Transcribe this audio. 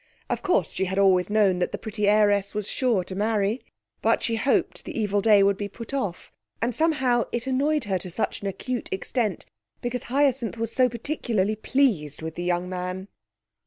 Of course she had always known that the pretty heiress was sure to marry, but she hoped the evil day would be put off, and somehow it annoyed her to such an acute extent because Hyacinth was so particularly pleased with the young man.